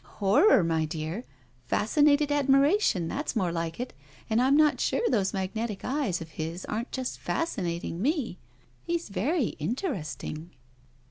" Horror, my dear? Fascinated admiration, that's more like it. And I'm not sure those magnetic eyes of hb aren't just fascinating me. He's very in teresting."